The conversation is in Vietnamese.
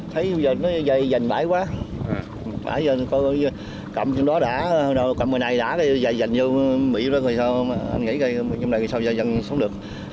thấy bây giờ nó dày dành bãi quá bãi dành cầm trong đó đã cầm bữa nay đã dày dành vô mỹ rồi sao anh nghĩ cây bữa nay sao dài dành sống được